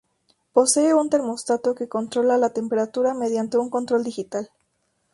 Posee un termostato que controla la temperatura mediante un control digital.